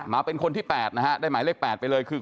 มาเป็นคนที่แปดนะฮะได้หมายเลขแปดไปเลยคือ